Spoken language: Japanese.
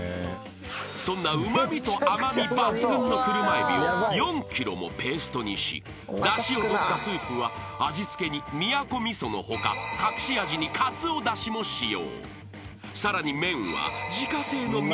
［そんなうま味と甘味抜群のクルマエビを４ｋｇもペーストにしだしを取ったスープは味付けに宮古味噌の他隠し味にかつおだしも使用］